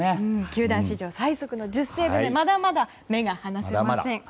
球団史上最速の１０セーブでまだまだ目が離せません。